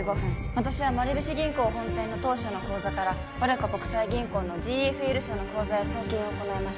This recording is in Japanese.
私は丸菱銀行本店の当社の口座からバルカ国際銀行のＧＦＬ社の口座へ送金を行いました